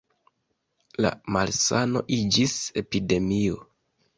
La malsano iĝis epidemio.